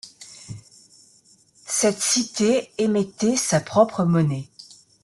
Cette cité émettait sa propre monnaie.